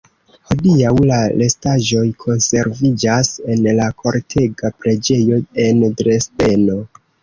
Hodiaŭ la restaĵoj konserviĝas en la Kortega preĝejo en Dresdeno.